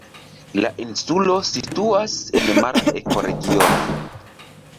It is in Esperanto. La insulo situas en mara ekoregiono.